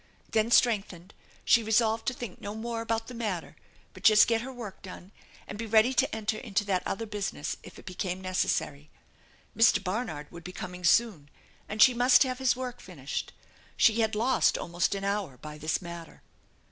Then strengthened, she resolved to think no more about the matter, but just get her work done and be ready to enter into that other business if it became necessary. Mr. Barnard would be coming soon, and she must have his work finished. She had lost almost an hour by this matter.